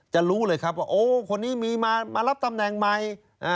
รู้เลยครับว่าโอ้คนนี้มีมารับตำแหน่งใหม่